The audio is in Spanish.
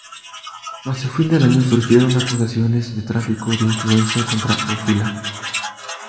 Hacia fin del año, surgieron acusaciones de tráfico de influencia contra Orfila.